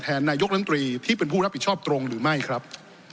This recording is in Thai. นายกรรมตรีที่เป็นผู้รับผิดชอบตรงหรือไม่ครับ